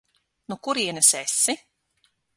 No kurienes esi?